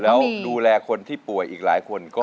แล้วดูแลคนที่ป่วยอีกหลายคน